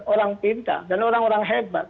orang pintar dan orang orang hebat